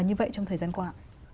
như vậy trong thời gian qua ạ